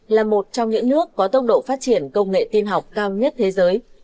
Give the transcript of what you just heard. là một trong những nước có tốc độ phát triển công nghệ tiên học cao nhất thế giới